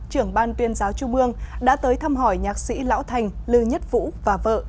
trưởng ban tuyên giáo trung ương đã tới thăm hỏi nhạc sĩ lão thành lư nhất vũ và vợ